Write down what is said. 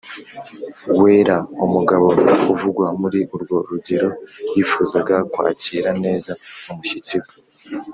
wera Umugabo uvugwa muri urwo rugero yifuzaga kwakira neza umushyitsi we